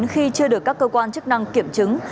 khi chưa được các cơ quan chức năng kiểm chứng